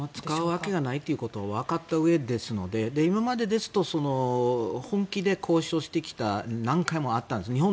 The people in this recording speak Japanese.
使うわけがないということをわかったうえですので今までですと本気で交渉してきた何回もあったんです。